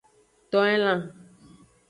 To elan.